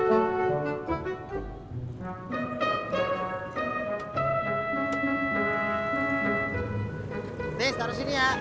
atis taruh sini ya